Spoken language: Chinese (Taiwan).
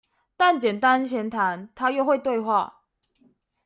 但簡單閒談，他又會對話